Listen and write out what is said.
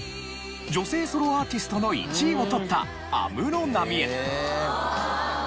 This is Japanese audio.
女性ソロアーティストの１位を取った安室奈美恵。